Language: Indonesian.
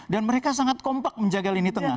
dan mereka sangat kompak menjaga lini tengah